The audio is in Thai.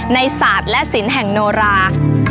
ศาสตร์และศิลป์แห่งโนรา